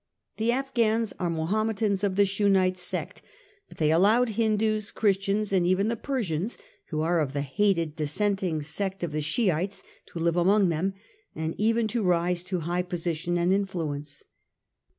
The Afghans are Mahometans of the Shunite sect, but they allowed Hindoos, Christians, and even the Persians, who are of the hated dissenting sect of the Shiites, to live among them and even to rise to high position and influence.